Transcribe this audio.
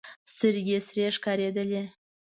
سترګې سرې ښکارېدلې.